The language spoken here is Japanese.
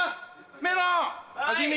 メロン味見。